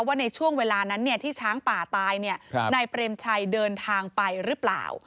ว่าในช่วงเวลานั้นที่ช้างป่าตายนายเปรมชัยเดินทางไปหรือเปล่า